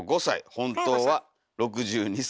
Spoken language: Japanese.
本当は６２歳。